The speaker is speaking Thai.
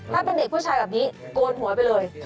ถ้าเป็นเด็กผู้ชายแบบนี้โกนหัวไปเลย